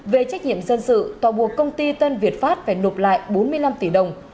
về trách nhiệm dân sự tòa buộc công ty tân việt pháp phải nộp lại bốn mươi năm tỷ đồng